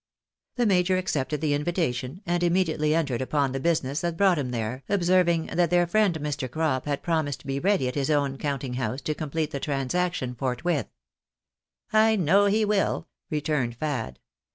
The major accepted the invitation, and immediately entered upon the business that brought him there, observing that their friend Mr. Crop had promised to be ready at liis own counting house to complete the transaction forthwith. " I know he will," returned Fad.